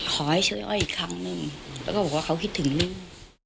ขอให้ช่วยอ้อยอีกครั้งหนึ่งแล้วก็บอกว่าเขาคิดถึงลูก